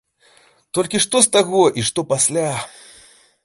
Толькі што з таго і што пасля?